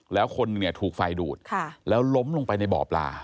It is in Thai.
แล้วคนถูกไฟดูดแล้วล้มลงไปในบ่อปลา